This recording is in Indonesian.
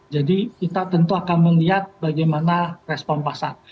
kita tentu akan melihat bagaimana respon pasar